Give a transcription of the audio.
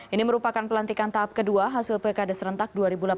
ini merupakan pelantikan tahap kedua hasil pilkada serentak dua ribu delapan belas